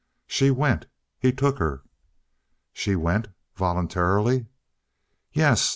"She went. He took her " "She went voluntarily?" "Yes.